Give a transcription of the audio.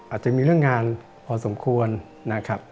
อาจจะมีเรื่องงานพอสมควรนะครับ